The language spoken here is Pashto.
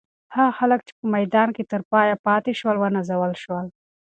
هغه خلک چې په میدان کې تر پایه پاتې شول، ونازول شول.